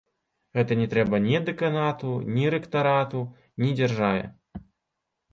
Гэта не трэба ні дэканату, ні рэктарату, ні дзяржаве.